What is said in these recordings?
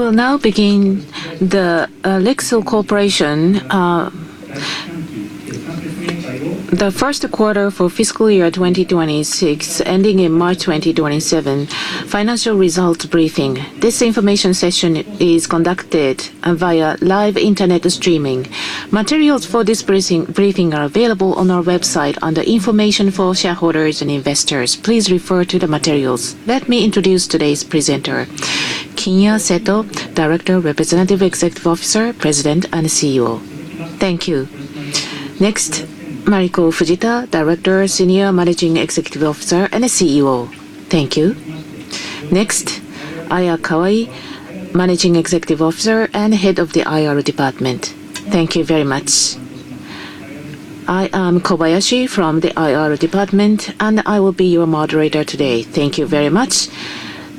We will now begin the LIXIL Corporation, the first quarter for fiscal year 2026 ending in March 2027 financial results briefing. This information session is conducted via live internet streaming. Materials for this briefing are available on our website under information for shareholders and investors. Please refer to the materials. Let me introduce today's presenter, Kinya Seto, Director, Representative Executive Officer, President, and CEO. Thank you. Next, Mariko Fujita, Director, Senior Managing Executive Officer and CFO. Thank you. Next, Aya Kawai, Managing Executive Officer and Head of the IR Department. Thank you very much. I am Kobayashi from the IR Department, and I will be your moderator today. Thank you very much.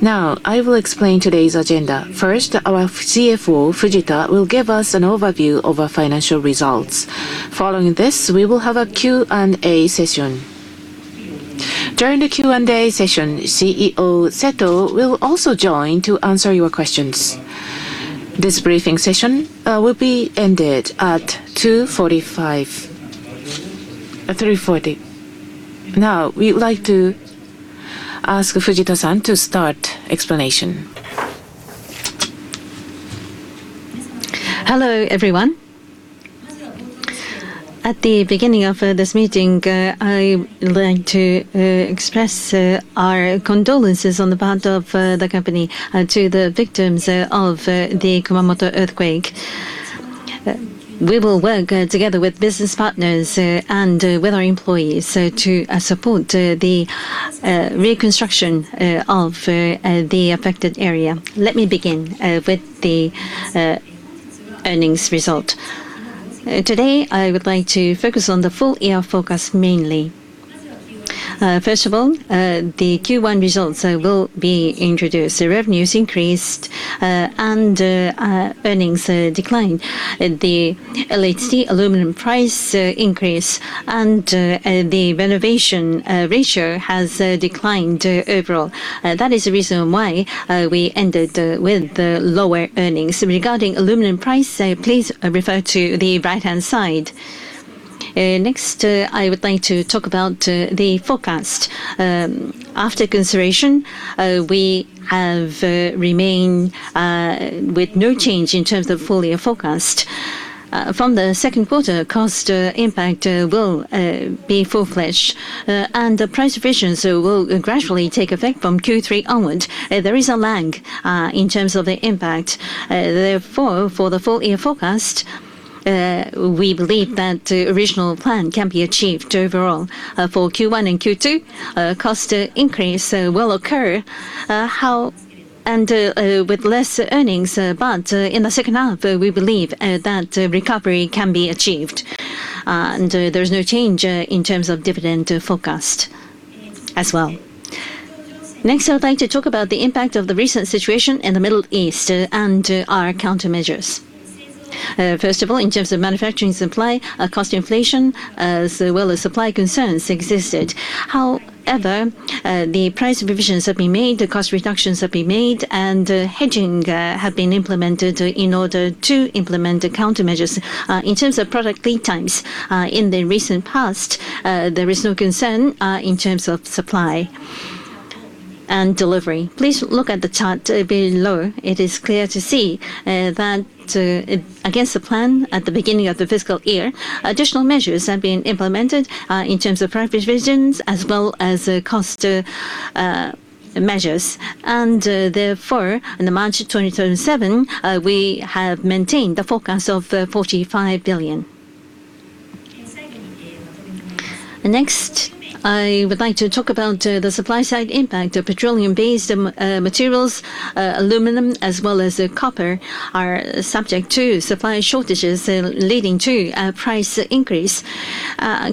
Now, I will explain today's agenda. First, our CFO, Fujita, will give us an overview of our financial results. Following this, we will have a Q&A session. During the Q&A session, CEO Seto will also join to answer your questions. This briefing session will be ended at 3:40 P.M. Now, we'd like to ask Fujita-san to start explanation. Hello, everyone. At the beginning of this meeting, I'd like to express our condolences on behalf of the company to the victims of the Kumamoto earthquake. We will work together with business partners and with our employees to support the reconstruction of the affected area. Let me begin with the earnings result. Today I would like to focus on the full year forecast mainly. First of all, the Q1 results will be introduced. Revenues increased and earnings declined. The LHT aluminum price increase and the renovation ratio has declined overall. That is the reason why we ended with lower earnings. Regarding aluminum price, please refer to the right-hand side. Next, I would like to talk about the forecast. After consideration, we have remained with no change in terms of full-year forecast. From the second quarter, cost impact will be full-fledged, and the price provisions will gradually take effect from Q3 onward. There is a lag in terms of the impact. Therefore, for the full year forecast, we believe that original plan can be achieved overall. For Q1 and Q2, cost increase will occur, and with less earnings. In the second half, we believe that recovery can be achieved. There's no change in terms of dividend forecast as well. Next, I would like to talk about the impact of the recent situation in the Middle East and our countermeasures. First of all, in terms of manufacturing supply, cost inflation, as well as supply concerns existed. However, the price provisions have been made, the cost reductions have been made, and hedging have been implemented in order to implement countermeasures. In terms of product lead times, in the recent past, there is no concern in terms of supply and delivery. Please look at the chart below. It is clear to see that against the plan at the beginning of the fiscal year, additional measures have been implemented, in terms of price provisions as well as cost measures. Therefore, in March 2027, we have maintained the forecast of 45 billion. Next, I would like to talk about the supply side impact of petroleum-based materials. Aluminum as well as copper are subject to supply shortages, leading to a price increase,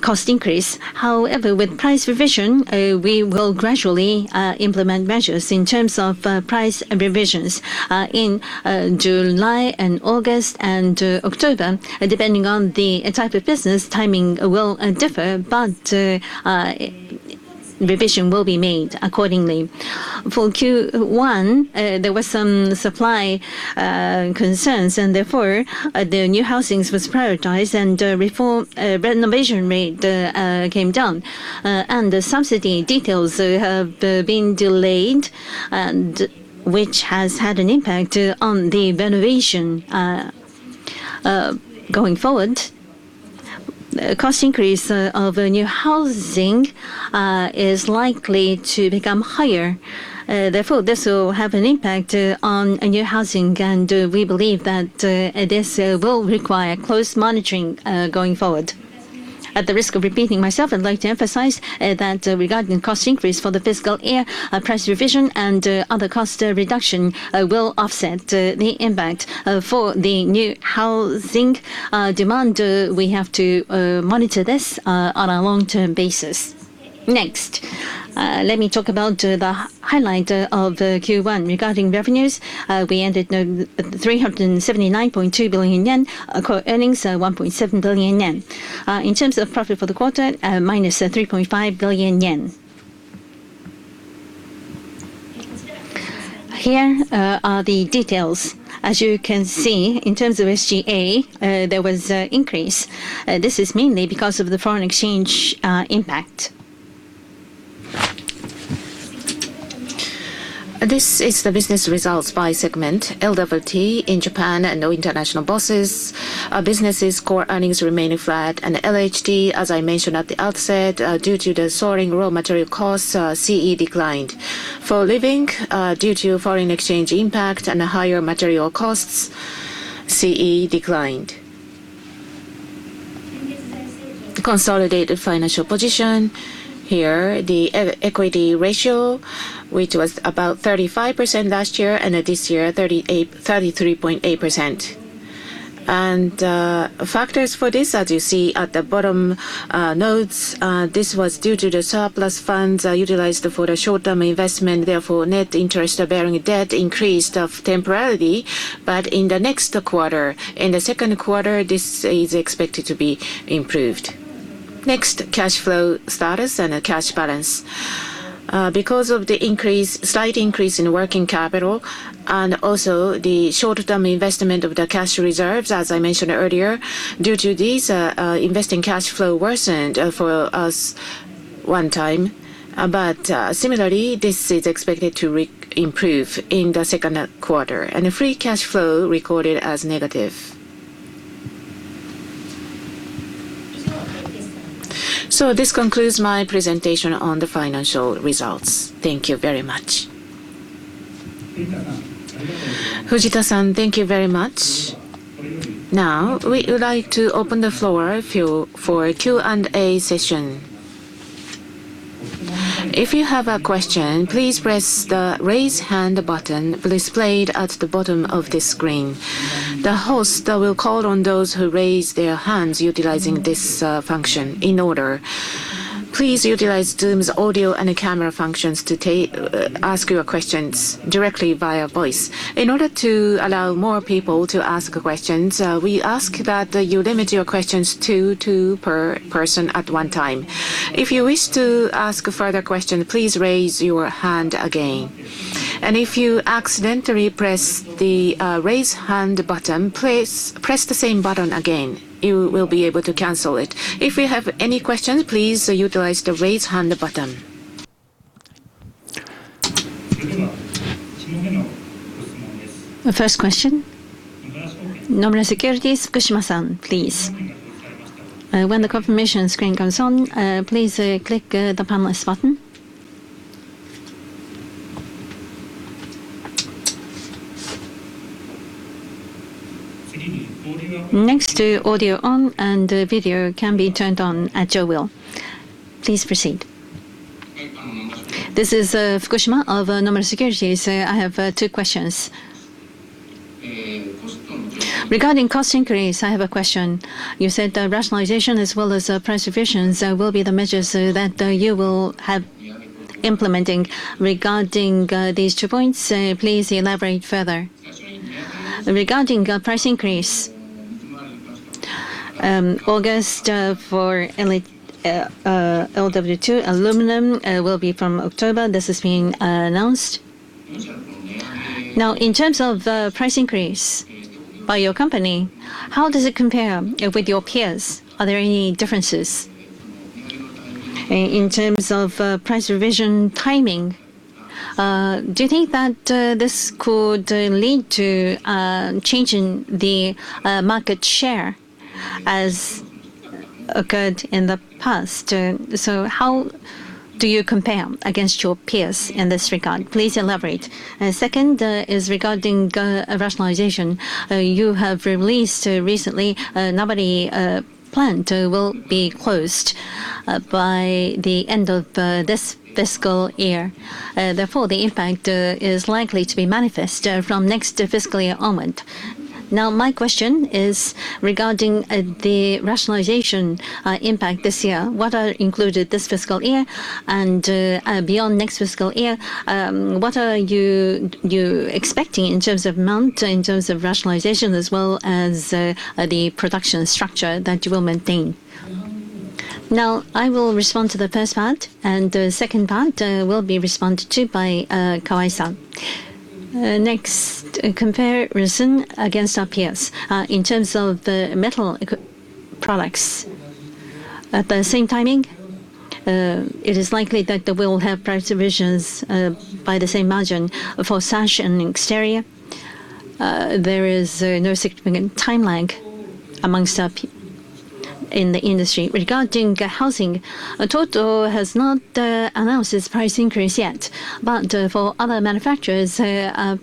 cost increase. However, with price revision, we will gradually implement measures in terms of price revisions. In July and August and October, depending on the type of business, timing will differ, but revision will be made accordingly. For Q1, there was some supply concerns, therefore, the new housings was prioritized and renovation rate came down. The subsidy details have been delayed, which has had an impact on the renovation. Going forward, cost increase of new housing is likely to become higher. Therefore, this will have an impact on new housing, and we believe that this will require close monitoring going forward. At the risk of repeating myself, I'd like to emphasize that regarding cost increase for the fiscal year, price revision and other cost reduction will offset the impact. For the new housing demand, we have to monitor this on a long-term basis. Next, let me talk about the highlight of Q1. Regarding revenues, we ended 379.2 billion yen core earnings, 1.7 billion yen. In terms of profit for the quarter, -3.5 billion yen. Here are the details. As you can see, in terms of SG&A, there was increase. This is mainly because of the foreign exchange impact. This is the business results by segment. LWT in Japan and international businesses. Businesses core earnings remaining flat, LHT, as I mentioned at the outset, due to the soaring raw material costs, CE declined. For Living, due to foreign exchange impact and higher material costs, CE declined. Consolidated financial position. Here, the equity ratio, which was about 35% last year and this year 33.8%. Factors for this, as you see at the bottom notes, this was due to the surplus funds utilized for the short-term investment, therefore, net interest bearing debt increased temporarily, but in the next quarter, in the second quarter, this is expected to be improved. Next, cash flow status and cash balance. Because of the slight increase in working capital and also the short-term investment of the cash reserves, as I mentioned earlier, due to this, investing cash flow worsened for us one time. Similarly, this is expected to improve in the second quarter. Free cash flow recorded as negative. This concludes my presentation on the financial results. Thank you very much. Fujita-san, thank you very much. Now, we would like to open the floor for Q&A session. If you have a question, please press the raise hand button displayed at the bottom of the screen. The host will call on those who raise their hands utilizing this function in order. Please utilize Zoom's audio and camera functions to ask your questions directly via voice. In order to allow more people to ask questions, we ask that you limit your questions to two per person at one time. If you wish to ask a further question, please raise your hand again. If you accidentally press the raise hand button, press the same button again. You will be able to cancel it. If you have any questions, please utilize the raise hand button. The first question. Nomura Securities, Fukushima-san, please. When the confirmation screen comes on, please click the panelists button. Next to audio on and video can be turned on at your will. Please proceed. This is Fukushima of Nomura Securities. I have two questions. Regarding cost increase, I have a question. You said rationalization as well as price efficiency will be the measures that you will have implementing. Regarding these two points, please elaborate further. Regarding price increase, August for LWT aluminum will be from October. This has been announced. In terms of price increase by your company, how does it compare with your peers? Are there any differences? In terms of price revision timing, do you think that this could lead to a change in the market share as occurred in the past? How do you compare against your peers in this regard? Please elaborate. Second is regarding rationalization. You have released recently, Nabari plant will be closed by the end of this fiscal year. Therefore, the impact is likely to be manifest from next fiscal year onward. My question is regarding the rationalization impact this year. What are included this fiscal year and beyond next fiscal year? What are you expecting in terms of amount, in terms of rationalization, as well as the production structure that you will maintain? I will respond to the first part, and the second part will be responded to by Kawai-san. Comparison against our peers. In terms of the metal products. At the same timing, it is likely that we'll have price revisions by the same margin for sash and exterior. There is no significant time lag amongst our in the industry. Regarding housing, TOTO has not announced its price increase yet, but for other manufacturers,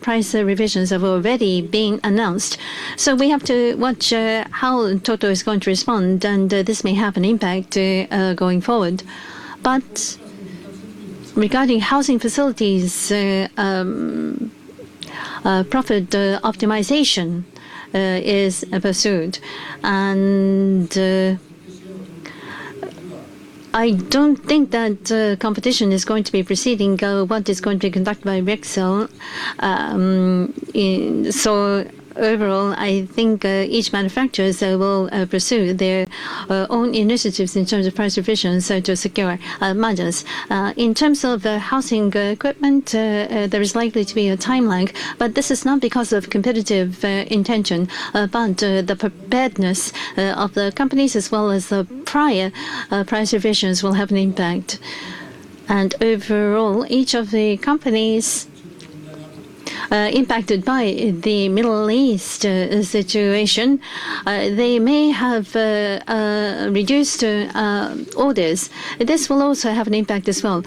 price revisions have already been announced. We have to watch how TOTO is going to respond, and this may have an impact going forward. Regarding housing facilities, profit optimization is pursued and I don't think that competition is going to be preceding what is going to be conducted by LIXIL. Overall, I think each manufacturer will pursue their own initiatives in terms of price revision so to secure margins. In terms of the housing equipment, there is likely to be a time lag. This is not because of competitive intention. The preparedness of the companies, as well as the prior price revisions will have an impact. Overall, each of the companies impacted by the Middle East situation, they may have reduced orders. This will also have an impact as well.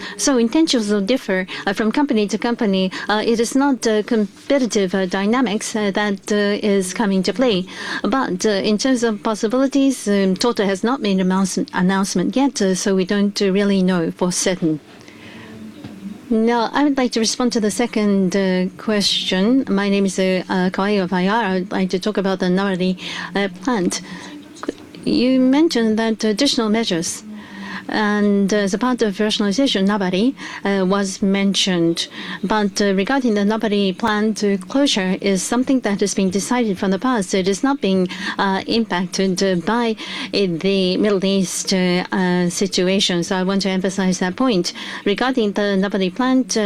Intentions will differ from company to company. It is not competitive dynamics that is coming to play. In terms of possibilities, TOTO has not made an announcement yet, we don't really know for certain. I would like to respond to the second question. My name is Kawai of IR. I'd like to talk about the Nabari plant. You mentioned that additional measures and as a part of rationalization, Nabari was mentioned. Regarding the Nabari plant closure is something that has been decided from the past. It is not being impacted by the Middle East situation. I want to emphasize that point. Regarding the Nabari plant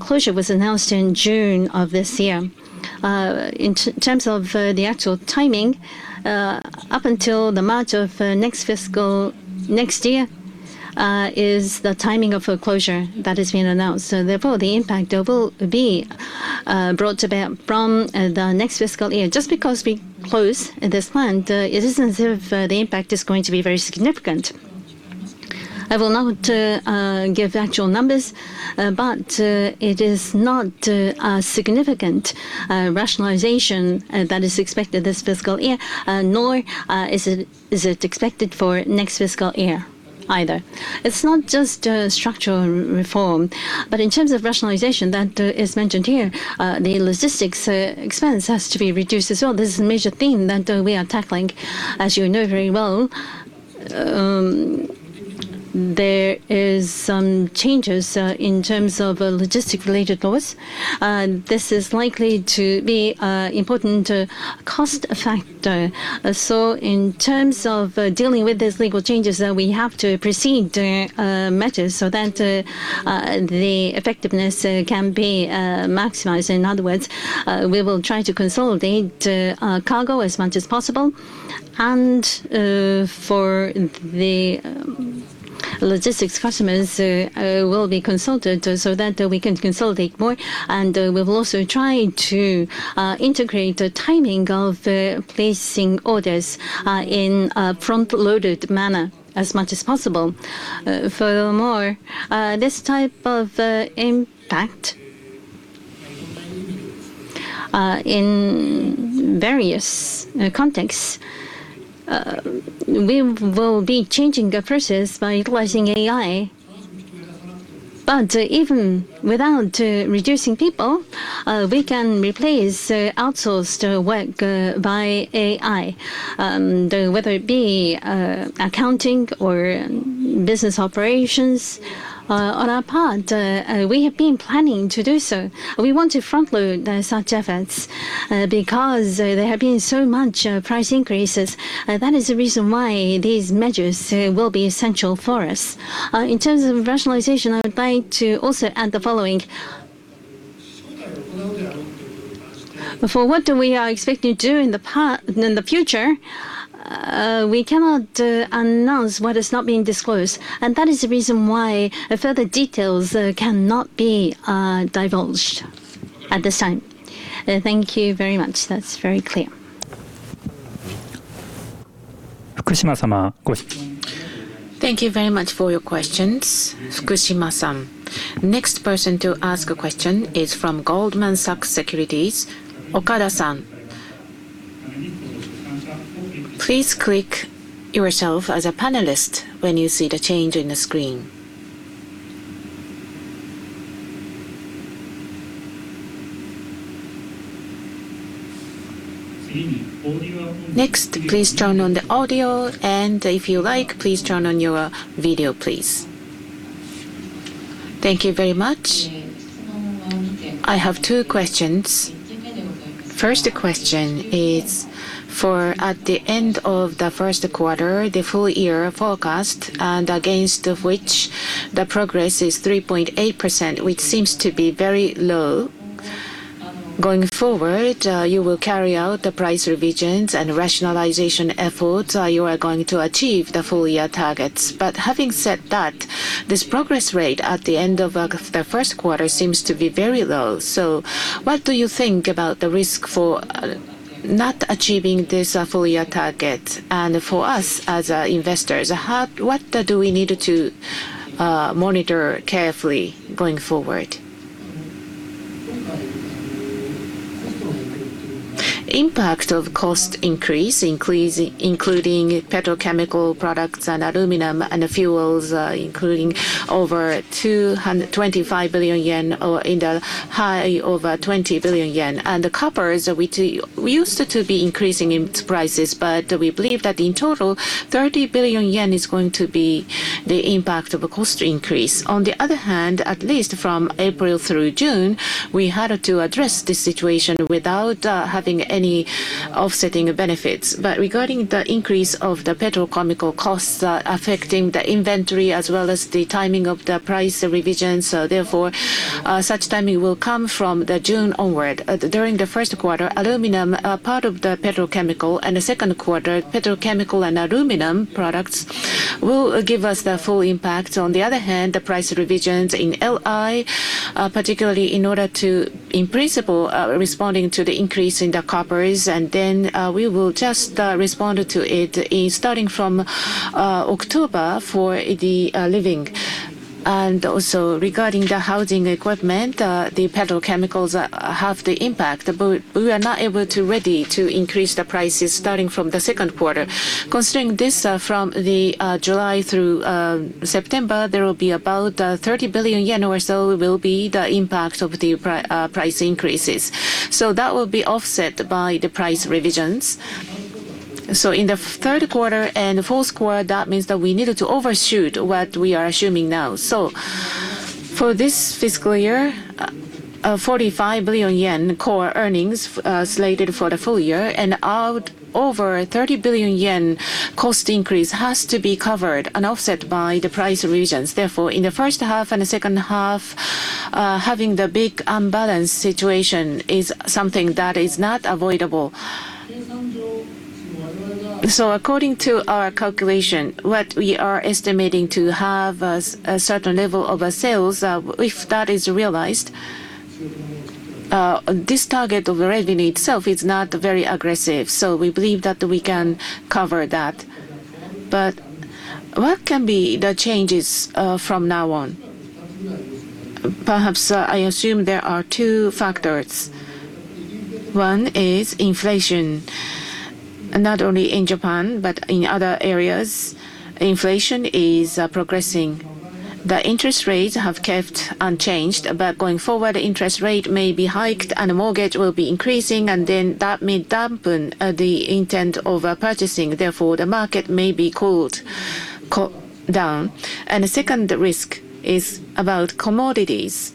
closure was announced in June of this year. In terms of the actual timing, up until March of next fiscal year, is the timing of closure that has been announced. Therefore, the impact will be brought about from the next fiscal year. Just because we close this plant, it isn't as if the impact is going to be very significant. I will not give actual numbers, but it is not a significant rationalization that is expected this fiscal year, nor is it expected for next fiscal year either. It's not just structural reform. In terms of rationalization that is mentioned here, the logistics expense has to be reduced as well. This is a major theme that we are tackling. As you know very well, there is some changes in terms of logistics-related laws. This is likely to be an important cost factor. In terms of dealing with these legal changes that we have to proceed measures so that the effectiveness can be maximized. In other words, we will try to consolidate cargo as much as possible. For the logistics customers will be consulted so that we can consolidate more. We will also try to integrate the timing of placing orders in a front-loaded manner as much as possible. Furthermore, this type of impact in various contexts, we will be changing the process by utilizing AI. Even without reducing people, we can replace outsourced work by AI, whether it be accounting or business operations. On our part, we have been planning to do so. We want to front-load such efforts because there have been so much price increases. That is the reason why these measures will be essential for us. In terms of rationalization, I would like to also add the following. For what we are expecting to do in the future, we cannot announce what is not being disclosed. That is the reason why further details cannot be divulged at this time. Thank you very much. That's very clear. Thank you very much for your questions, Fukushima-san. Next person to ask a question is from Goldman Sachs Securities, Okada-san. Please click yourself as a panelist when you see the change in the screen. Next, please turn on the audio, and if you like, please turn on your video, please. Thank you very much. I have two questions. First question is for at the end of the first quarter, the full-year forecast and against which the progress is 3.8%, which seems to be very low. Going forward, you will carry out the price revisions and rationalization efforts you are going to achieve the full-year targets. Having said that, this progress rate at the end of the first quarter seems to be very low. What do you think about the risk for not achieving this full-year target? For us as investors, what do we need to monitor carefully going forward? Impact of cost increase, including petrochemical products and aluminum and fuels, including over 25 billion yen, or in the high over 20 billion yen. The coppers, we used to be increasing in prices, but we believe that in total, 30 billion yen is going to be the impact of a cost increase. At least from April through June, we had to address the situation without having any offsetting benefits. Regarding the increase of the petrochemical costs affecting the inventory as well as the timing of the price revisions, therefore, such timing will come from June onward. During the first quarter, aluminum are part of the petrochemical, and the second quarter, petrochemical and aluminum products will give us the full impact. The price revisions in LI, particularly in order to, in principle, responding to the increase in the coppers, we will just respond to it starting from October for the Living. Regarding the housing equipment, the petrochemicals have the impact. We are not able to ready to increase the prices starting from the second quarter. Considering this, from July through September, there will be about 30 billion yen or so will be the impact of the price increases. That will be offset by the price revisions. In the third quarter and fourth quarter, that means that we needed to overshoot what we are assuming now. For this fiscal year, 45 billion yen core earnings slated for the full year and out over 30 billion yen cost increase has to be covered and offset by the price revisions. In the first half and the second half, having the big imbalance situation is something that is not avoidable. According to our calculation, what we are estimating to have a certain level of sales, if that is realized, this target of revenue itself is not very aggressive. We believe that we can cover that. What can be the changes from now on? Perhaps I assume there are two factors. One is inflation. Not only in Japan but in other areas, inflation is progressing. The interest rates have kept unchanged, going forward, interest rate may be hiked and the mortgage will be increasing, that may dampen the intent of purchasing, therefore the market may be cooled down. The second risk is about commodities,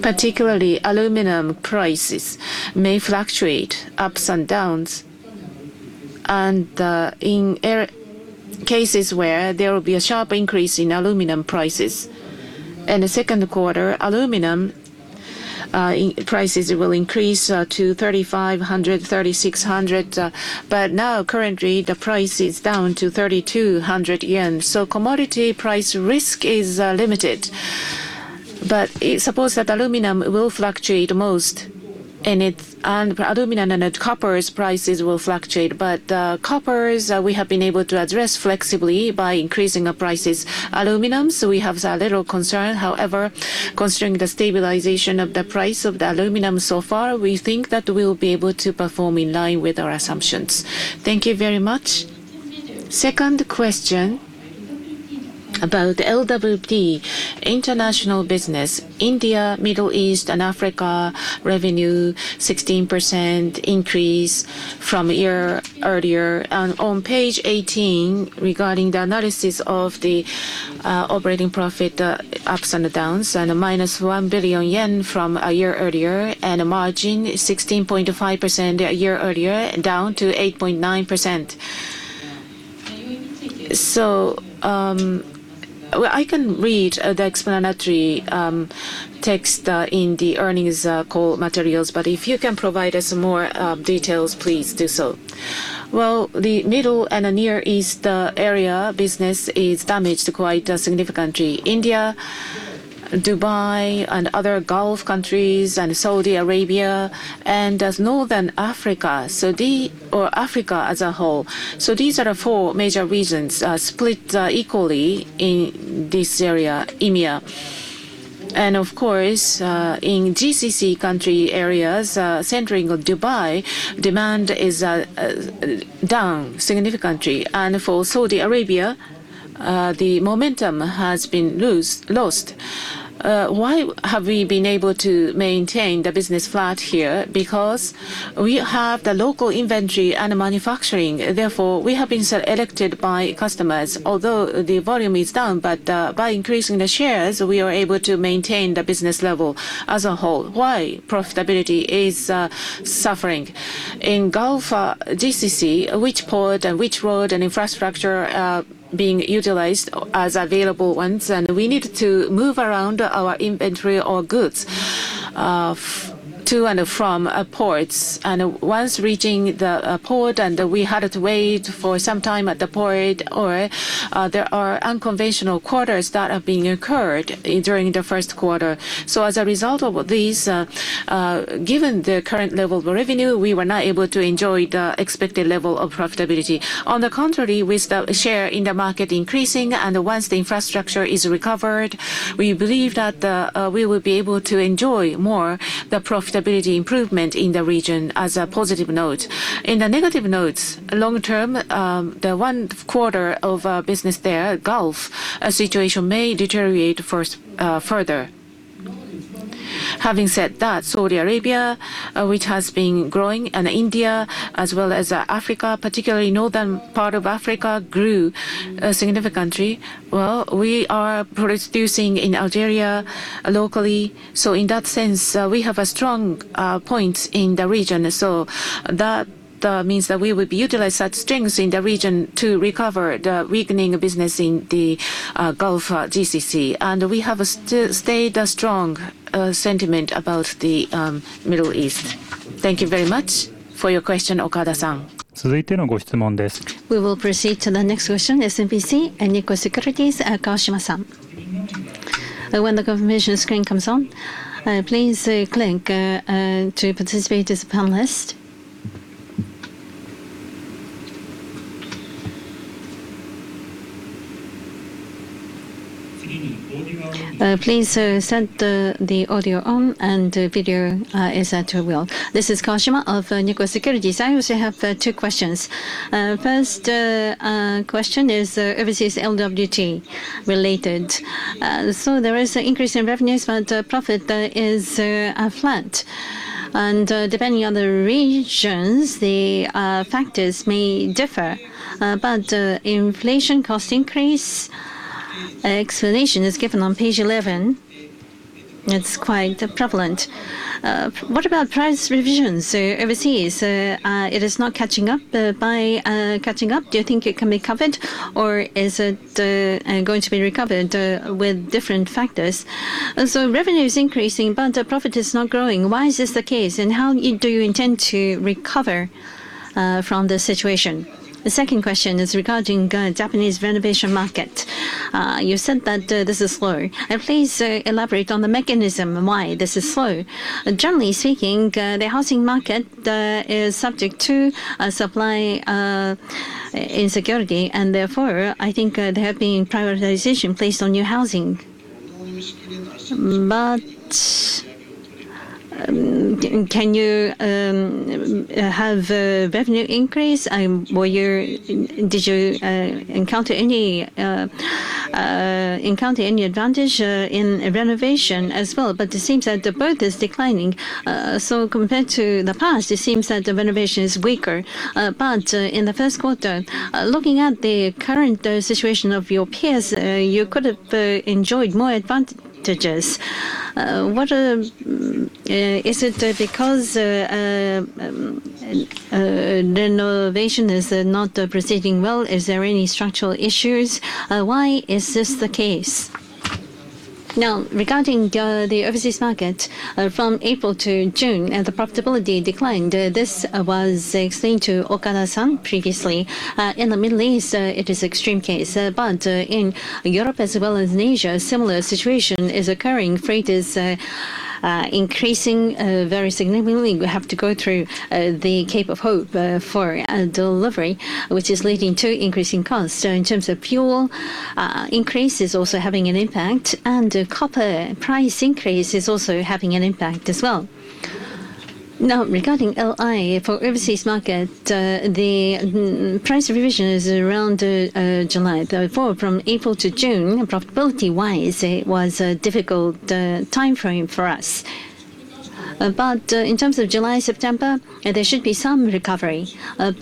particularly aluminum prices may fluctuate ups and downs. In cases where there will be a sharp increase in aluminum prices, in the second quarter, aluminum prices will increase to 3,500-3,600. Now currently, the price is down to 3,200 yen. Commodity price risk is limited. Suppose that aluminum will fluctuate most and aluminum and copper's prices will fluctuate. Coppers, we have been able to address flexibly by increasing our prices. Aluminum, we have a little concern. However, considering the stabilization of the price of the aluminum so far, we think that we will be able to perform in line with our assumptions. Thank you very much. Second question about LWT international business. India, Middle East, and Africa revenue 16% increase from a year earlier. On page 18, regarding the analysis of the operating profit ups and downs, a -1 billion yen from a year earlier, and a margin 16.5% a year earlier down to 8.9%. I can read the explanatory text in the earnings call materials, but if you can provide us more details, please do so. The Middle and the near East area business is damaged quite significantly. India, Dubai, and other Gulf countries, Saudi Arabia, and Northern Africa. Or Africa as a whole. These are the four major regions split equally in this area, IMEA. Of course, in GCC country areas, centering on Dubai, demand is down significantly. For Saudi Arabia, the momentum has been lost. Why have we been able to maintain the business flat here? Because we have the local inventory and manufacturing, therefore, we have been selected by customers, although the volume is down. By increasing the shares, we are able to maintain the business level as a whole. Why profitability is suffering? In Gulf, GCC, which port and which road and infrastructure are being utilized as available ones. We need to move around our inventory or goods to and from ports. Once reaching the port, we had to wait for some time at the port, or there are unconventional quarters that are being occurred during the first quarter. As a result of these, given the current level of revenue, we were not able to enjoy the expected level of profitability. On the contrary, with the share in the market increasing and once the infrastructure is recovered, we believe that we will be able to enjoy more the profitability improvement in the region as a positive note. In the negative notes, long term, the one quarter of business there, Gulf, situation may deteriorate further. Having said that, Saudi Arabia, which has been growing, India as well as Africa, particularly northern part of Africa, grew significantly. We are producing in Algeria locally. In that sense, we have a strong point in the region. That means that we would utilize such strengths in the region to recover the weakening business in the Gulf GCC. We have stayed a strong sentiment about the Middle East. Thank you very much for your question, Okada-san. We will proceed to the next question, SMBC Nikko Securities, Kawashima-san. When the confirmation screen comes on, please click to participate as a panelist. Please set the audio on and video is at your will. This is Kawashima of Nikko Securities. I also have two questions. First question is overseas LWT-related. There is an increase in revenues, but profit is flat. Depending on the regions, the factors may differ. But inflation cost increase explanation is given on page 11. It is quite prevalent. What about price revisions overseas? It is not catching up. By catching up, do you think it can be covered or is it going to be recovered with different factors? Revenue is increasing, but the profit is not growing. Why is this the case and how do you intend to recover from this situation? The second question is regarding Japanese renovation market. You said that this is slow. Please elaborate on the mechanism of why this is slow. Generally speaking, the housing market is subject to supply insecurity and therefore I think there have been prioritization placed on new housing. Can you have revenue increase? Did you encounter any advantage in renovation as well? It seems that both is declining. Compared to the past, it seems that the renovation is weaker. In the first quarter, looking at the current situation of your peers, you could have enjoyed more advantages. Is it because renovation is not proceeding well? Is there any structural issues? Why is this the case? Regarding the overseas market. From April to June, the profitability declined. This was explained to Okada-san previously. In the Middle East, it is extreme case. In Europe as well as in Asia, similar situation is occurring. Freight is increasing very significantly. We have to go through the Cape of Good Hope for delivery, which is leading to increasing costs. In terms of fuel, increase is also having an impact and copper price increase is also having an impact as well. Regarding LI for overseas market, the price revision is around July. Therefore, from April to June, profitability-wise, it was a difficult timeframe for us. In terms of July, September, there should be some recovery. For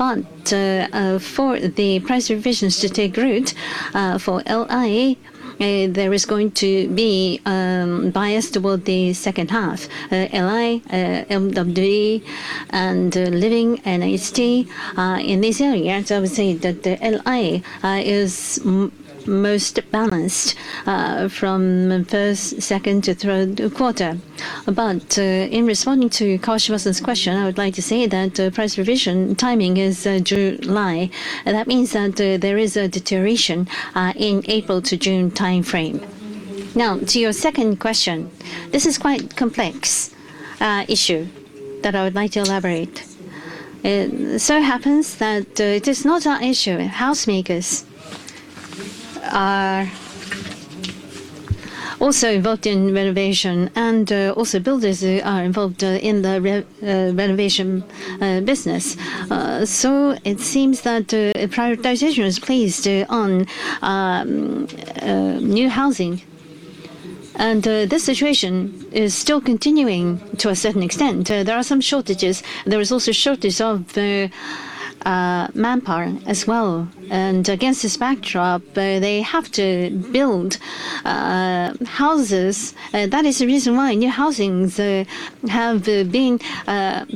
the price revisions to take root for LI, there is going to be bias toward the second half. LI, LWT and Living and LHT. In this area, I would say that LI is most balanced from first, second to third quarter. In responding to Kawashima-san's question, I would like to say that price revision timing is July. That means that there is a deterioration in April to June timeframe. To your second question. This is quite complex issue that I would like to elaborate. It so happens that it is not our issue. House makers are also involved in renovation and also builders are involved in the renovation business. It seems that prioritization is placed on new housing. This situation is still continuing to a certain extent. There are some shortages. There is also shortage of manpower as well. Against this backdrop, they have to build houses. That is the reason why new housings have been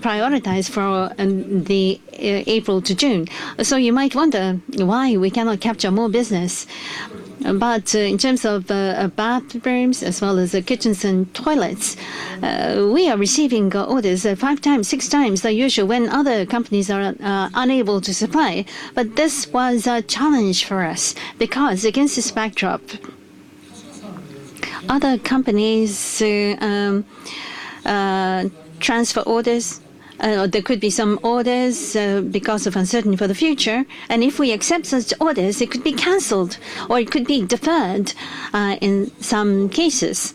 prioritized for the April to June. You might wonder why we cannot capture more business. In terms of bathrooms as well as kitchens and toilets, we are receiving orders 5x, 6x the usual when other companies are unable to supply. This was a challenge for us because against this backdrop, other companies transfer orders or there could be some orders because of uncertainty for the future. If we accept such orders, it could be canceled or it could be deferred in some cases.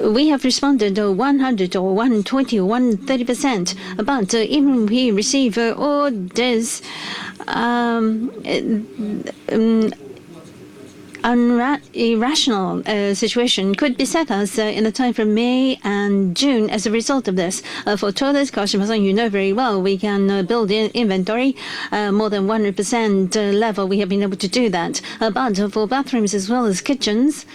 We have responded 100% or 120%, 130%, but even we receive orders, this irrational situation could beset us in the time from May and June as a result of this. For toilets, Kawashima-san, you know very well, we can build an inventory more than 100% level. We have been able to do that. For bathrooms as well as kitchens,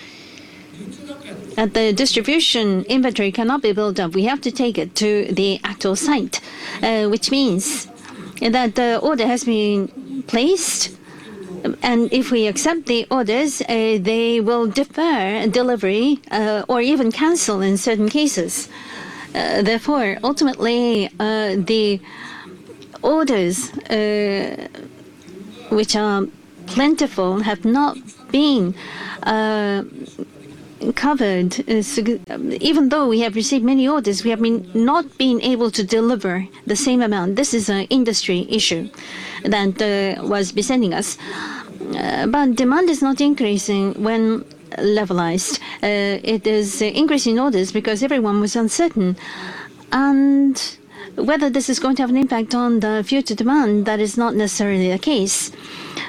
the distribution inventory cannot be built up. We have to take it to the actual site, which means that the order has been placed, and if we accept the orders, they will defer delivery or even cancel in certain cases. Ultimately, the orders which are plentiful have not been covered. Even though we have received many orders, we have not been able to deliver the same amount. This is an industry issue that was besetting us. Demand is not increasing when levelized. It is increasing orders because everyone was uncertain. Whether this is going to have an impact on the future demand, that is not necessarily the case.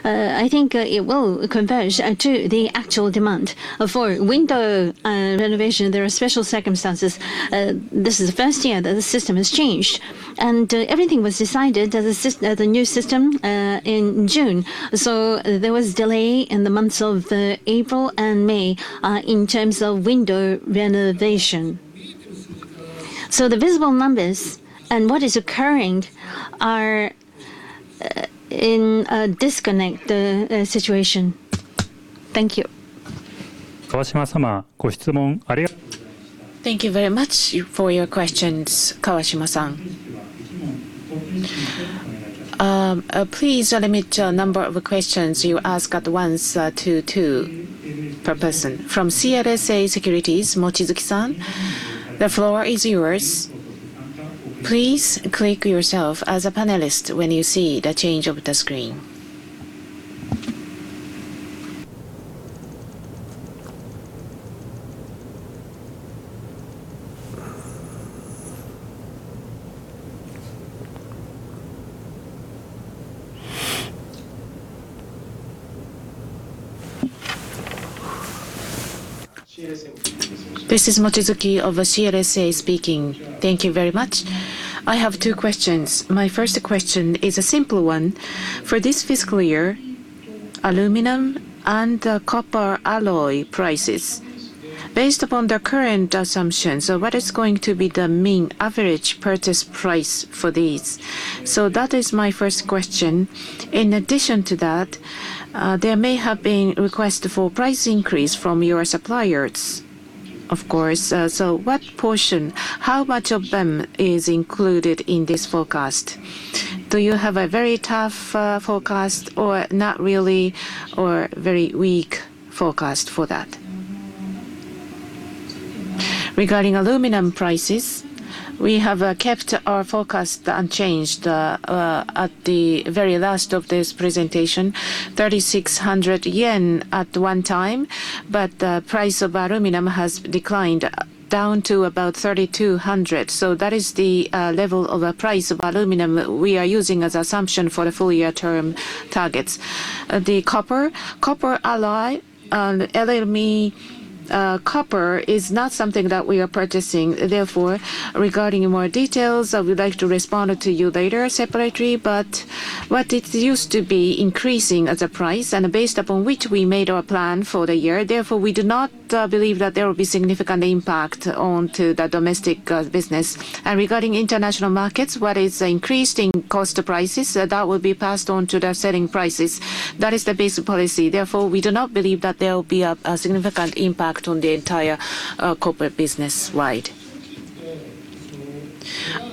I think it will converge to the actual demand. For window renovation, there are special circumstances. This is the first year that the system has changed. Everything was decided as the new system in June. There was delay in the months of April and May in terms of window renovation. The visible numbers and what is occurring are in a disconnect situation. Thank you. Thank you very much for your questions, Kawashima-san. Please limit the number of questions you ask at once to two per person. From CLSA Securities, Mochizuki-san, the floor is yours. Please click yourself as a panelist when you see the change of the screen. This is Mochizuki of CLSA speaking. Thank you very much. I have two questions. My first question is a simple one. For this fiscal year, aluminum and copper alloy prices. Based upon the current assumptions, what is going to be the mean average purchase price for these? That is my first question. In addition to that, there may have been request for price increase from your suppliers, of course. What portion, how much of them is included in this forecast? Do you have a very tough forecast or not really or very weak forecast for that? Regarding aluminum prices, we have kept our forecast unchanged at the very last of this presentation, 3,600 yen at one time, but the price of aluminum has declined down to about 3,200. That is the level of price of aluminum we are using as assumption for the full year term targets. The copper alloy and LME copper is not something that we are purchasing. Regarding more details, I would like to respond to you later separately. What it used to be increasing as a price and based upon which we made our plan for the year, we do not believe that there will be significant impact onto the domestic business. Regarding international markets, what is increased in cost prices, that will be passed on to the selling prices. That is the basic policy. We do not believe that there will be a significant impact on the entire corporate business-wide.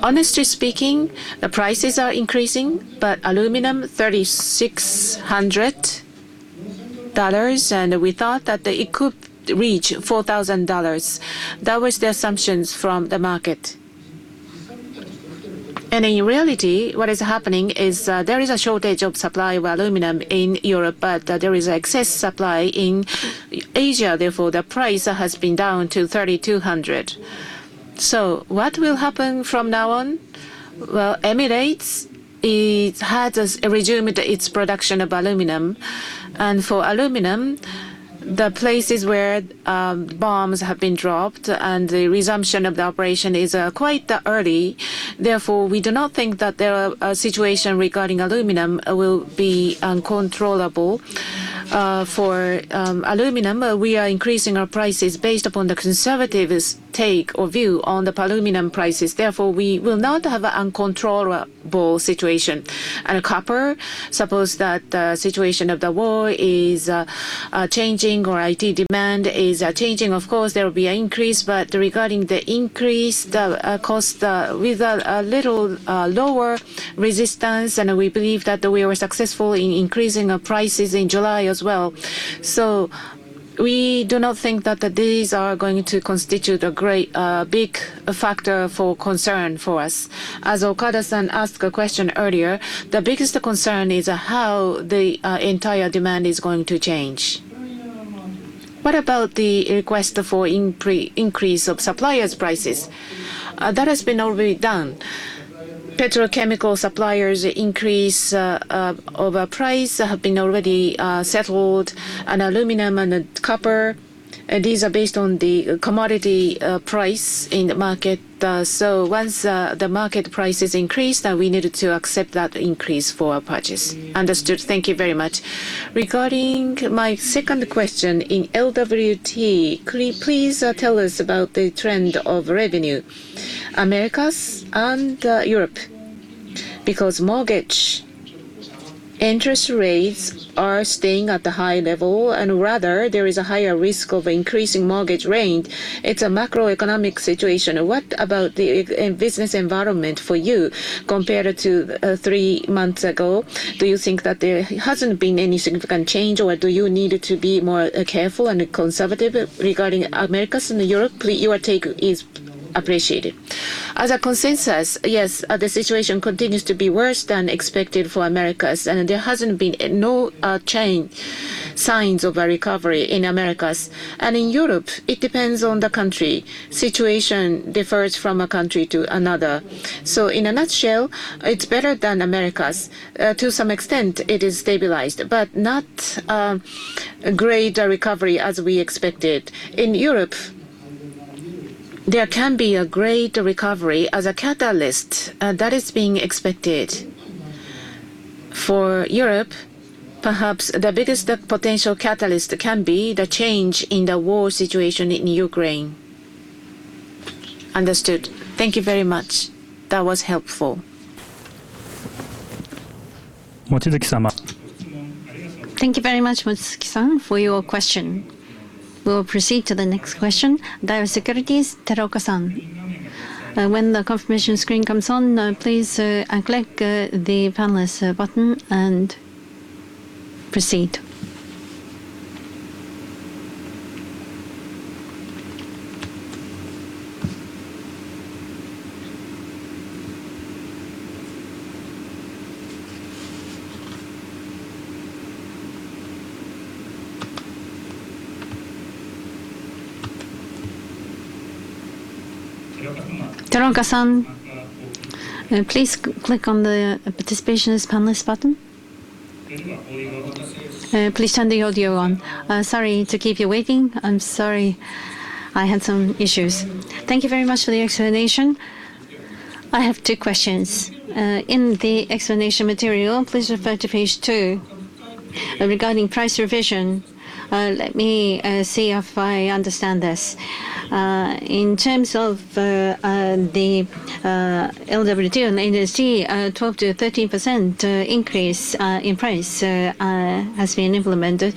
Honestly speaking, the prices are increasing, but aluminum, $3,600, and we thought that it could reach $4,000. That was the assumptions from the market. In reality, what is happening is there is a shortage of supply of aluminum in Europe, but there is excess supply in Asia. The price has been down to $3,200. What will happen from now on? Well, Emirates, it has resumed its production of aluminum. For aluminum, the places where bombs have been dropped and the resumption of the operation is quite early. We do not think that the situation regarding aluminum will be uncontrollable. For aluminum, we are increasing our prices based upon the conservative take or view on the aluminum prices. We will not have an uncontrollable situation. Copper, suppose that the situation of the war is changing or IT demand is changing, of course there will be an increase. Regarding the increase, the cost with a little lower resistance, we believe that we were successful in increasing our prices in July as well. We do not think that these are going to constitute a great big factor for concern for us. As Okada-san asked a question earlier, the biggest concern is how the entire demand is going to change. What about the request for increase of suppliers' prices? That has been already done. Petrochemical suppliers increase of price have been already settled, and aluminum and copper. These are based on the commodity price in the market. Once the market price is increased, we needed to accept that increase for our purchase. Understood. Thank you very much. Regarding my second question in LWT, could you please tell us about the trend of revenue? Americas and Europe. Because mortgage interest rates are staying at the high level, rather, there is a higher risk of increasing mortgage rate. It's a macroeconomic situation. What about the business environment for you compared to three months ago? Do you think that there hasn't been any significant change, or do you need to be more careful and conservative regarding Americas and Europe? Your take is appreciated. As a consensus, yes. The situation continues to be worse than expected for Americas, there hasn't been no change, signs of a recovery in Americas. In Europe, it depends on the country. Situation differs from a country to another. In a nutshell, it's better than Americas. To some extent it is stabilized, but not great recovery as we expected. In Europe, there can be a great recovery as a catalyst. That is being expected. For Europe, perhaps the biggest potential catalyst can be the change in the war situation in Ukraine. Understood. Thank you very much. That was helpful. Thank you very much, Mochizuki-san, for your question. We'll proceed to the next question. Daiwa Securities, Teraoka-san. When the confirmation screen comes on, please click the panelist button and proceed. Teraoka-san, please click on the participant as panelist button. Please turn the audio on. Sorry to keep you waiting. I'm sorry. I had some issues. Thank you very much for the explanation. I have two questions. In the explanation material, please refer to page two regarding price revision. Let me see if I understand this. In terms of the LWT and LHT, 12%-13% increase in price has been implemented,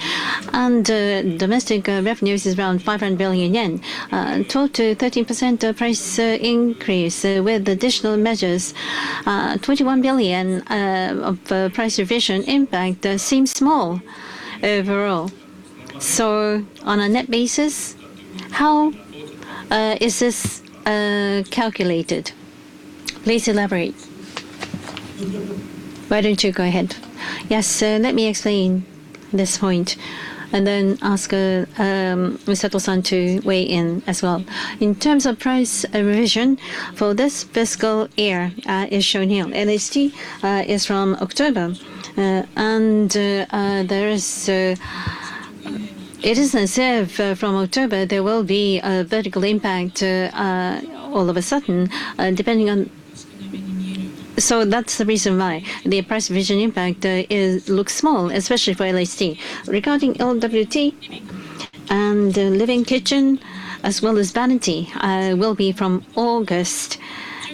domestic revenues is around 500 billion yen. 12%-13% price increase with additional measures, 21 billion of price revision impact seems small overall. On a net basis, how is this calculated? Please elaborate. Why don't you go ahead? Yes. Let me explain this point and then ask Seto-san to weigh in as well. In terms of price revision for this fiscal year is shown here. LHT is from October. It is as if from October there will be a vertical impact all of a sudden. That's the reason why the price revision impact looks small, especially for LHT. Regarding LWT and LKT as well as vanity will be from August.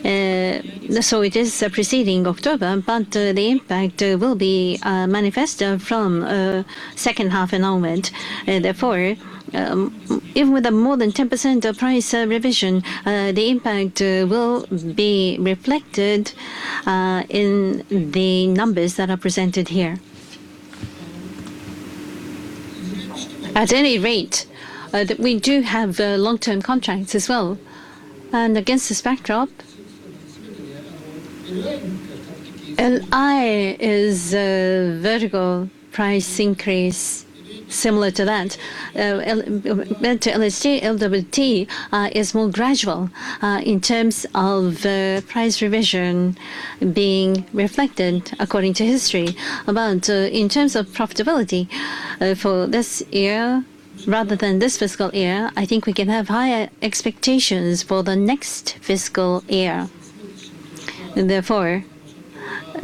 It is preceding October, but the impact will be manifest from second half onward. Even with the more than 10% price revision, the impact will be reflected in the numbers that are presented here. At any rate, that we do have long-term contracts as well. Against this backdrop, LI is a vertical price increase similar to that. Meant to LHT, LWT is more gradual in terms of price revision being reflected according to history. In terms of profitability for this year rather than this fiscal year, I think we can have higher expectations for the next fiscal year.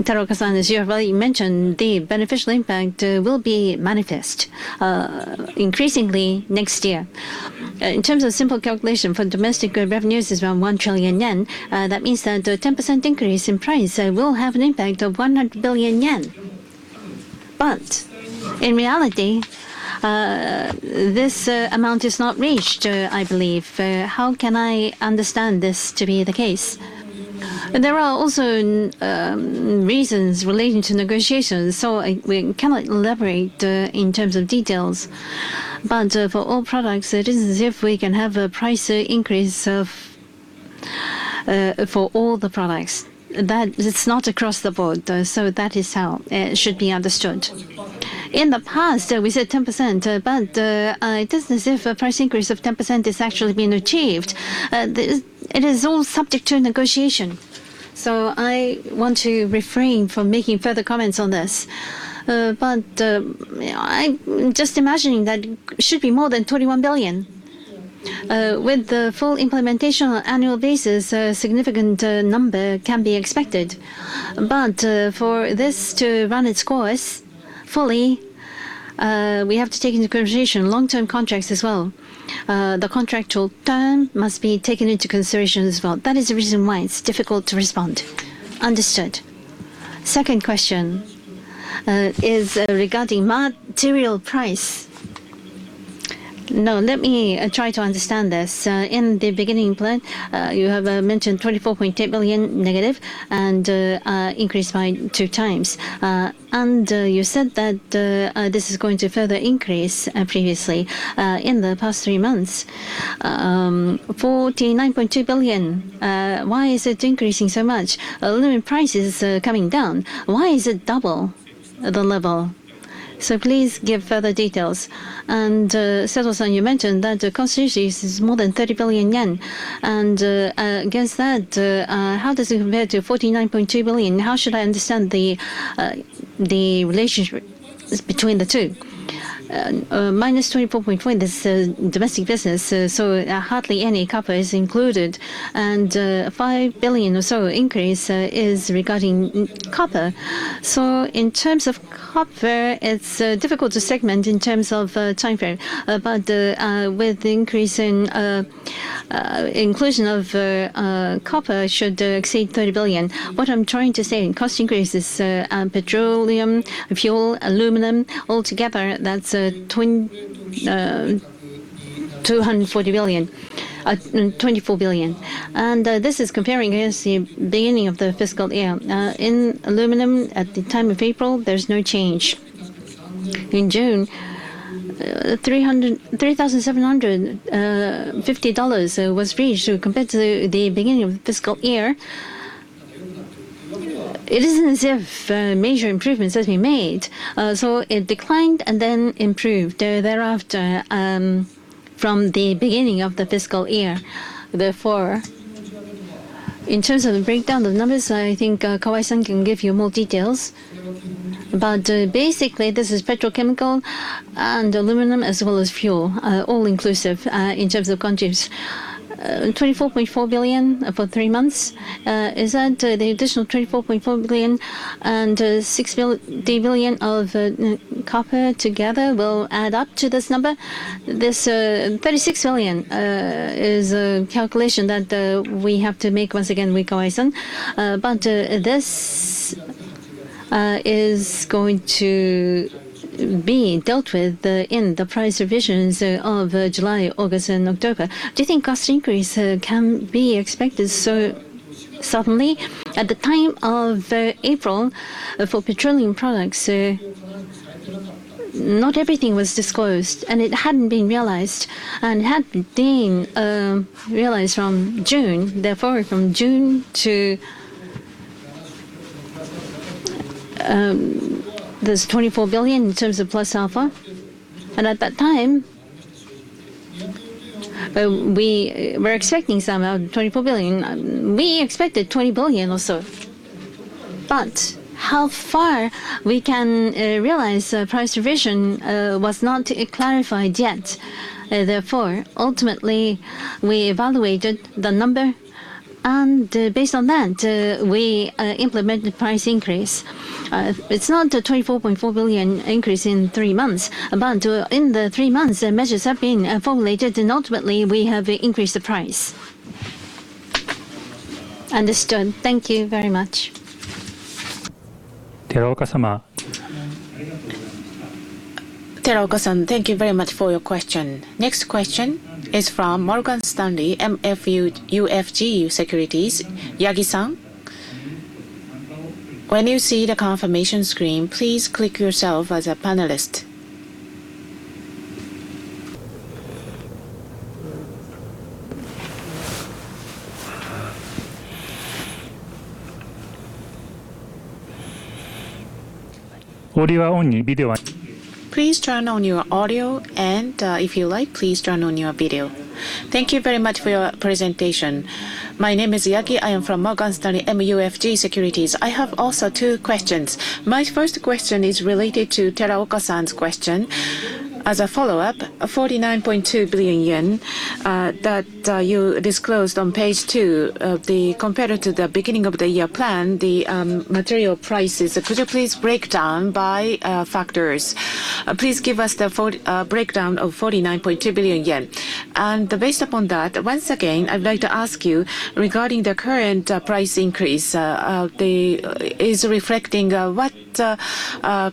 Teraoka-san, as you have already mentioned, the beneficial impact will be manifest increasingly next year. In terms of simple calculation for domestic revenues is around 1 trillion yen. That means that 10% increase in price will have an impact of 100 billion yen. In reality, this amount is not reached, I believe. How can I understand this to be the case? There are also reasons relating to negotiations, we cannot elaborate in terms of details. For all products, it isn't as if we can have a price increase of That is not across the board, though, that is how it should be understood. In the past, we said 10%, it isn't as if a price increase of 10% is actually being achieved. It is all subject to negotiation. I want to refrain from making further comments on this. I'm just imagining that it should be more than 21 billion. With the full implementation on annual basis, a significant number can be expected. For this to run its course fully, we have to take into consideration long-term contracts as well. The contractual term must be taken into consideration as well. That is the reason why it's difficult to respond. Understood. Second question is regarding material price. Now, let me try to understand this. In the beginning plan, you have mentioned -24.4 billion and increased by 2x. You said that this is going to further increase previously. In the past three months, 49.2 billion. Why is it increasing so much? Aluminum prices are coming down. Why is it double the level? Please give further details. Seto-san, you mentioned that the cost increase is more than 30 billion yen. Against that, how does it compare to 49.2 billion? How should I understand the relationship between the two? -24.4 billion, this is domestic business, hardly any copper is included. 5 billion or so increase is regarding copper. In terms of copper, it's difficult to segment in terms of time frame. With the increase in inclusion of copper should exceed 30 billion. What I'm trying to say in cost increases, petroleum, fuel, aluminum, altogether, that's 24 billion. This is comparing against the beginning of the fiscal year. In aluminum at the time of April, there's no change. In June, $3,750 was reached compared to the beginning of the fiscal year. It isn't as if major improvements has been made. It declined and then improved thereafter from the beginning of the fiscal year. In terms of the breakdown of the numbers, I think Kawai-san can give you more details. Basically, this is petrochemical and aluminum as well as fuel, all inclusive, in terms of contributes. 24.4 billion for three months. Is that the additional 24.4 billion and 6 billion of copper together will add up to this number? This 36 billion is a calculation that we have to make once again with Kawai-san. This is going to be dealt with in the price revisions of July, August, and October. Do you think cost increase can be expected so suddenly? At the time of April, for petroleum products, not everything was disclosed and it hadn't been realized. It had been realized from June, from June to- there's 24 billion in terms of plus alpha. At that time, we were expecting some 24 billion. We expected 20 billion or so. How far we can realize price revision was not clarified yet. Ultimately, we evaluated the number, and based on that, we implement the price increase. It's not a 24.4 billion increase in three months. In the three months, measures have been formulated, and ultimately, we have increased the price. Understood. Thank you very much. Teraoka-san, thank you very much for your question. Next question is from Morgan Stanley MUFG Securities, Yagi-san. When you see the confirmation screen, please click yourself as a panelist. Please turn on your audio, and if you like, please turn on your video. Thank you very much for your presentation. My name is Yagi. I am from Morgan Stanley MUFG Securities. I have also two questions. My first question is related to Teraoka-san's question. As a follow-up, 49.2 billion yen that you disclosed on page two, compared to the beginning of the year plan, the material prices. Could you please break down by factors? Please give us the breakdown of 49.2 billion yen. Based upon that, once again, I'd like to ask you, regarding the current price increase, is reflecting what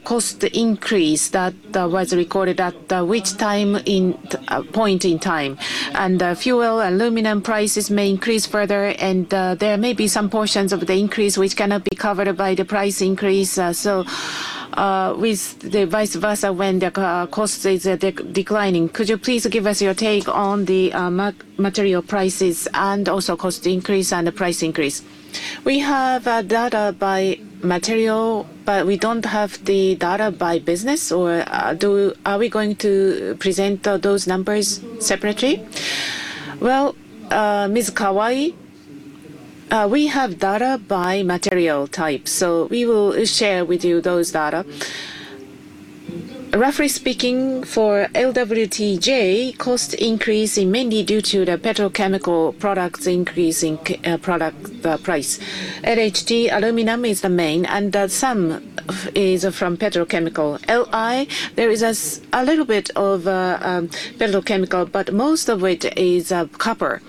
cost increase that was recorded at which point in time? Fuel, aluminum prices may increase further, and there may be some portions of the increase which cannot be covered by the price increase. With the vice versa when the cost is declining. Could you please give us your take on the material prices and also cost increase and the price increase? We have data by material, but we don't have the data by business. Are we going to present those numbers separately? Well, Ms. Kawai? We have data by material type, so we will share with you those data. Roughly speaking, for LWTJ, cost increase is mainly due to the petrochemical products increasing product price. LHT, aluminum is the main and some is from petrochemical. LI, there is a little bit of petrochemical, but most of it is copper.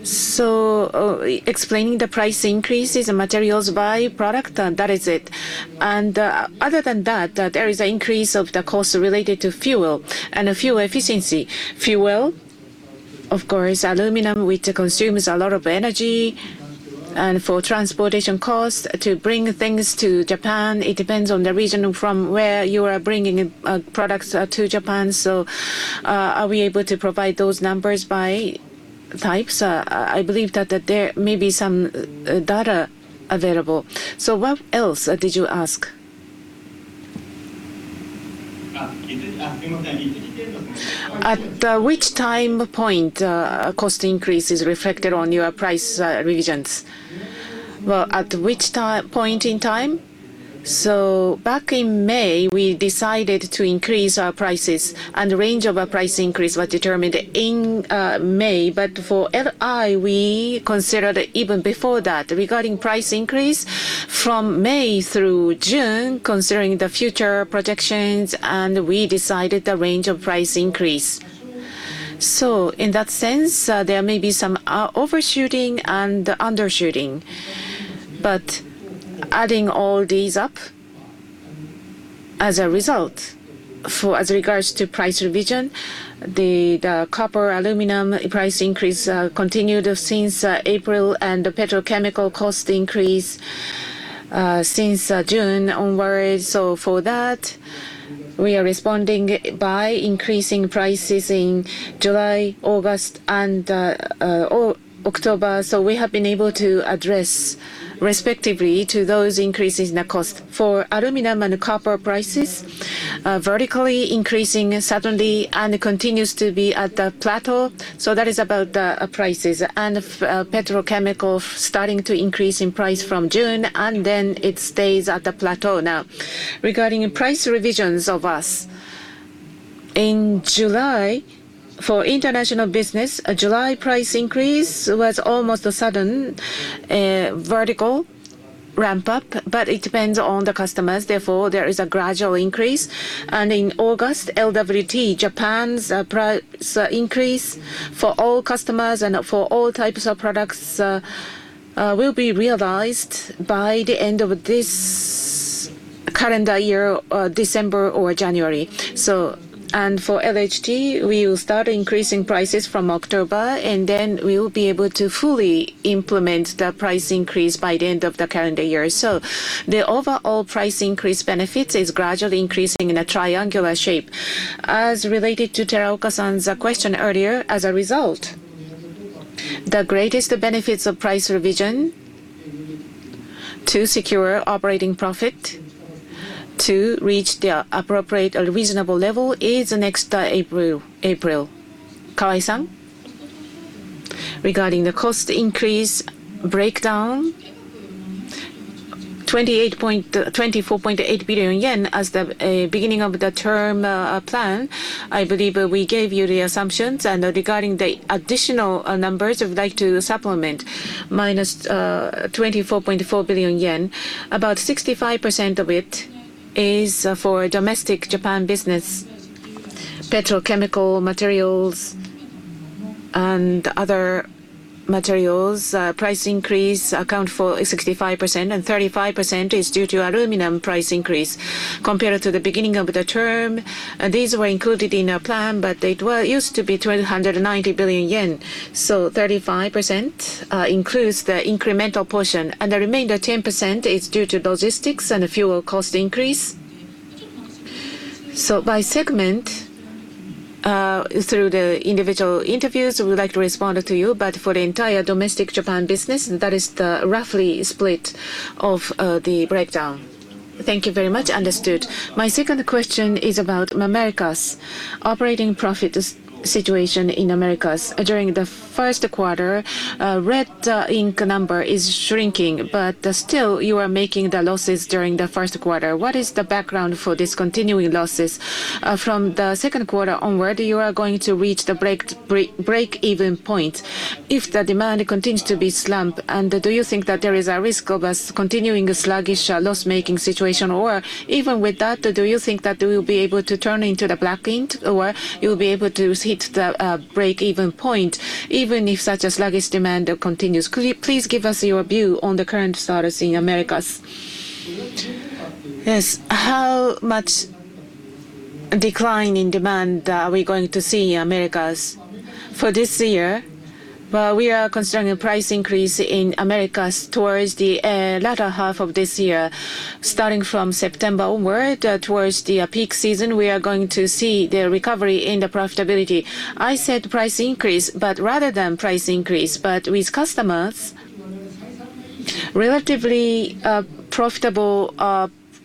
Explaining the price increases and materials by product, that is it. Other than that, there is an increase of the cost related to fuel and fuel efficiency. Fuel, of course, aluminum, which consumes a lot of energy, and for transportation costs to bring things to Japan, it depends on the region from where you are bringing products to Japan. Are we able to provide those numbers by types? I believe that there may be some data available. What else did you ask? At which time point cost increase is reflected on your price revisions. Well, at which point in time? Back in May, we decided to increase our prices, and the range of our price increase was determined in May. For LI, we considered even before that regarding price increase from May through June, considering the future projections, and we decided the range of price increase. In that sense, there may be some overshooting and undershooting. Adding all these up, as a result, as regards to price revision, the copper, aluminum price increase continued since April and the petrochemical cost increase since June onwards. For that, we are responding by increasing prices in July, August, and October. We have been able to address respectively to those increases in the cost. For aluminum and copper prices, vertically increasing suddenly and continues to be at a plateau. That is about the prices. Petrochemical starting to increase in price from June, and then it stays at a plateau now. Regarding price revisions of us. In July, for international business, a July price increase was almost a sudden vertical ramp-up, but it depends on the customers, therefore, there is a gradual increase. In August, LWT Japan's price increase for all customers and for all types of products will be realized by the end of this calendar year, December or January. For LHT, we will start increasing prices from October, and then we will be able to fully implement the price increase by the end of the calendar year. The overall price increase benefits is gradually increasing in a triangular shape. As related to Teraoka-san's question earlier, as a result, the greatest benefits of price revision to secure operating profit to reach the appropriate or reasonable level is next April. Kawai-san? Regarding the cost increase breakdown, 24.8 billion yen as the beginning of the term plan. I believe we gave you the assumptions and regarding the additional numbers, I would like to supplement. -24.4 billion yen, about 65% of it is for domestic Japan business. Petrochemical materials and other materials price increase account for 65% and 35% is due to aluminum price increase compared to the beginning of the term. These were included in our plan, but it used to be 190 billion yen. 35% includes the incremental portion and the remainder 10% is due to logistics and fuel cost increase. By segment, through the individual interviews, we would like to respond to you, but for the entire domestic Japan business, that is the roughly split of the breakdown. Thank you very much. Understood. My second question is about Americas. Operating profit situation in Americas during the first quarter. Red ink number is shrinking, but still you are making the losses during the first quarter. What is the background for this continuing losses? From the second quarter onward, you are going to reach the break-even point. If the demand continues to be slump, do you think that there is a risk of us continuing a sluggish loss-making situation? Or even with that, do you think that we'll be able to turn into the black ink, or you'll be able to hit the break-even point even if such a sluggish demand continues? Could you please give us your view on the current status in Americas? Yes. How much a decline in demand are we going to see in Americas for this year? We are considering a price increase in Americas towards the latter half of this year. Starting from September onward towards the peak season, we are going to see the recovery in the profitability. I said price increase, but rather than price increase, but with customers, relatively profitable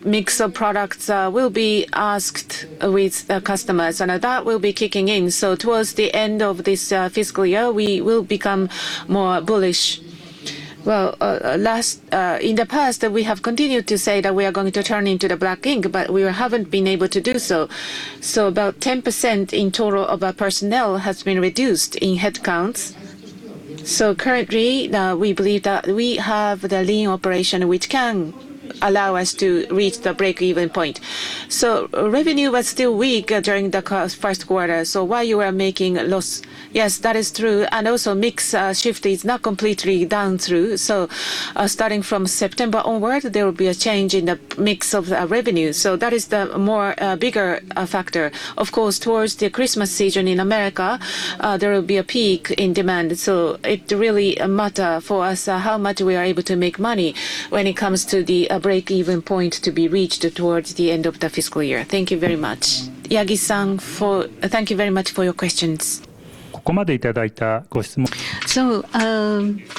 mix of products will be asked with the customers. That will be kicking in. Towards the end of this fiscal year, we will become more bullish. In the past, we have continued to say that we are going to turn into the black ink, but we haven't been able to do so. About 10% in total of our personnel has been reduced in headcounts. Currently, we believe that we have the lean operation, which can allow us to reach the break-even point. Revenue was still weak during the first quarter. While you are making loss, yes, that is true. Also mix shift is not completely down through. Starting from September onward, there will be a change in the mix of revenue. That is the more bigger factor. Of course, towards the Christmas season in Americas, there will be a peak in demand. It really matter for us how much we are able to make money when it comes to the break-even point to be reached towards the end of the fiscal year. Thank you very much. Yagi-san, thank you very much for your questions.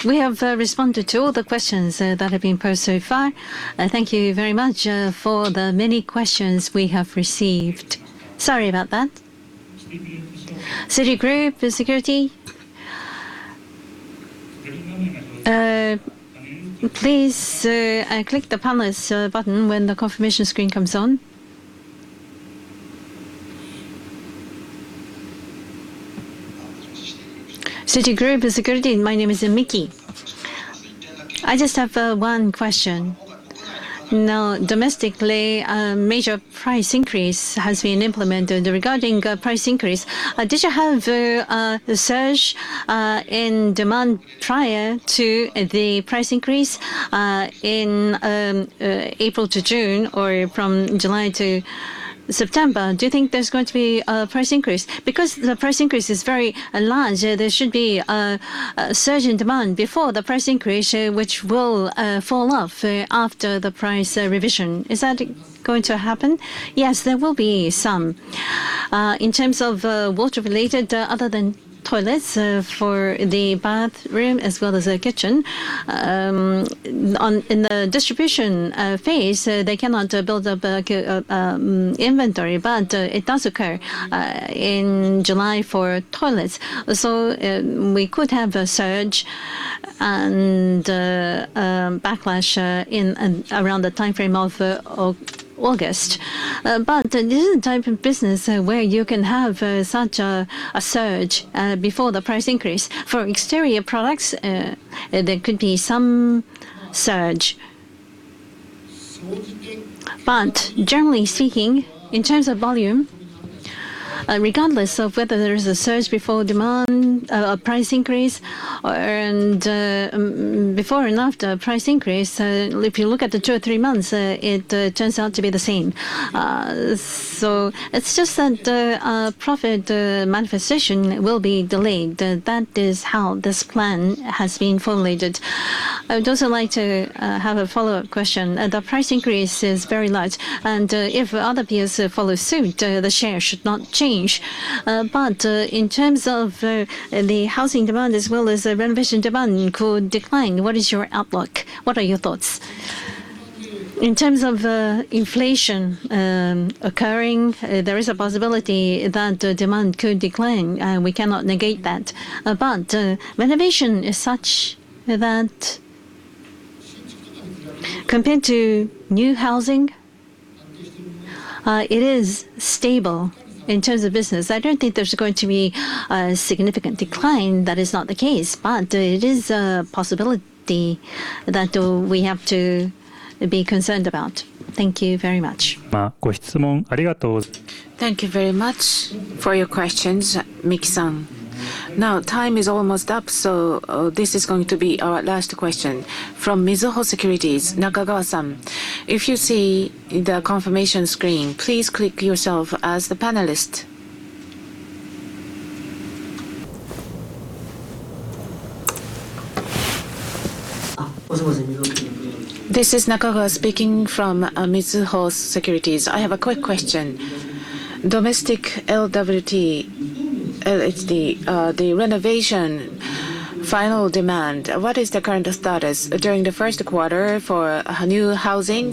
We have responded to all the questions that have been posed so far. Thank you very much for the many questions we have received. Sorry about that. Citigroup Securities. Please click the panelist button when the confirmation screen comes on. Citigroup Securities. My name is Miki. I just have one question. Domestically, major price increase has been implemented regarding price increase. Did you have the surge in demand prior to the price increase in April to June or from July to September? Do you think there's going to be a price increase? Because the price increase is very large, there should be a surge in demand before the price increase, which will fall off after the price revision. Is that going to happen? Yes, there will be some. In terms of water related, other than toilets, for the bathroom as well as the kitchen. In the distribution phase, they cannot build up inventory, but it does occur in July for toilets. We could have a surge and a backlash around the timeframe of August. This is the type of business where you can have such a surge before the price increase. For exterior products, there could be some surge. Generally speaking, in terms of volume, regardless of whether there is a surge before demand, a price increase, before and after price increase, if you look at the two or three months, it turns out to be the same. It's just that the profit manifestation will be delayed. That is how this plan has been formulated. I would also like to have a follow-up question. The price increase is very large, and if other peers follow suit, the share should not change. In terms of the housing demand as well as the renovation demand could decline, what is your outlook? What are your thoughts? In terms of inflation occurring, there is a possibility that demand could decline, and we cannot negate that. Renovation is such that compared to new housing, it is stable in terms of business. I don't think there's going to be a significant decline. That is not the case, but it is a possibility that we have to be concerned about. Thank you very much. Thank you very much for your questions, Miki-san. Time is almost up, this is going to be our last question. From Mizuho Securities, Nakagawa-san. If you see the confirmation screen, please click yourself as the panelist. This is Nakagawa speaking from Mizuho Securities. I have a quick question. Domestic LWT. It's the renovation final demand. What is the current status? During the first quarter for new housing,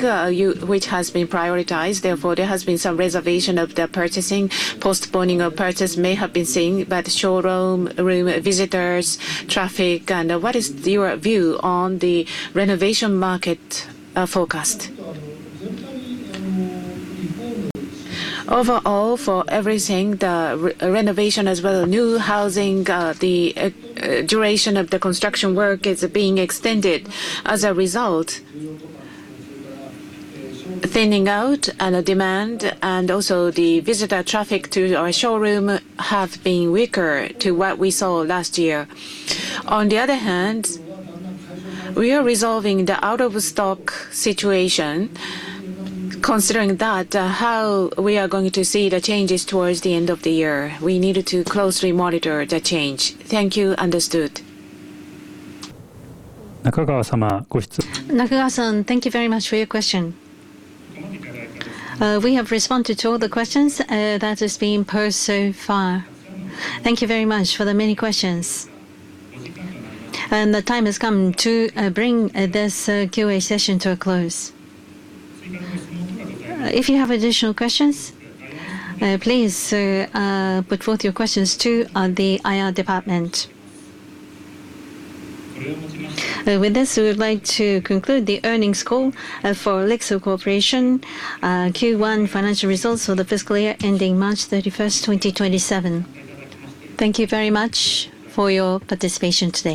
which has been prioritized, therefore, there has been some reservation of the purchasing, postponing of purchase may have been seen, but showroom room visitors traffic. What is your view on the renovation market forecast? Overall, for everything, the renovation as well as new housing, the duration of the construction work is being extended. As a result, thinning out and the demand and also the visitor traffic to our showroom have been weaker to what we saw last year. On the other hand, we are resolving the out-of-stock situation. Considering that, how we are going to see the changes towards the end of the year. We need to closely monitor the change. Thank you. Understood. Nakagawa-san, thank you very much for your question. We have responded to all the questions that has been posed so far. Thank you very much for the many questions. The time has come to bring this QA session to a close. If you have additional questions, please put forth your questions to the IR department. With this, we would like to conclude the earnings call for LIXIL Corporation Q1 financial results for the fiscal year ending March 31st, 2027. Thank you very much for your participation today.